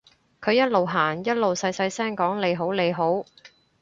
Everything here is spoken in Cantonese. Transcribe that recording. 佢一路行一路細細聲講你好你好